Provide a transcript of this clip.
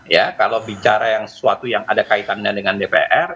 ya kalau bicara yang sesuatu yang ada kaitannya dengan dpr